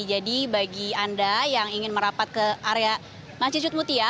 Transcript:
jadi bagi anda yang ingin merapat ke area masjid jutmutia